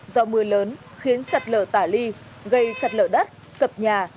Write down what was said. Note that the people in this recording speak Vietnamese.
do mưa lớn khiến sạt lở tả ly gây sạt lở đất sập nhà